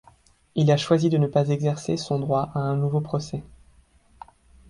Il a choisi de ne pas exercer son droit à un nouveau procès.